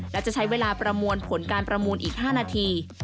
และจะใช้เวลาประมวลผลการประมูลอีก๕นาที